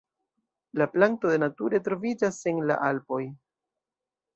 La planto de nature troviĝas en la Alpoj.